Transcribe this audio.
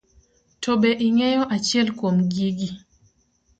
To be ing'eyo achiel kuom gigi.